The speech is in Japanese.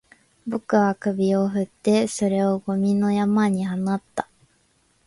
僕は首を振って、それをゴミの山に放った